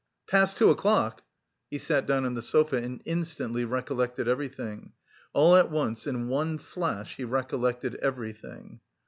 Past two o'clock!" He sat down on the sofa and instantly recollected everything! All at once, in one flash, he recollected everything.